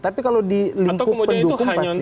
tapi kalau di lingkup pendukung pasti